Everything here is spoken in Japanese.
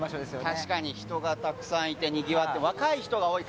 確かに人がたくさんいてにぎわっていて。